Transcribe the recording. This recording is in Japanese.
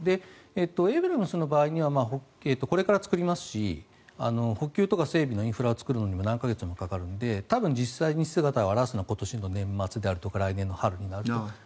エイブラムスの場合にはこれから作りますし補給とか整備のインフラを作るのに何か月もかかるので多分、実際に姿を現すのは今年の年末であるとか来年の春になると思います。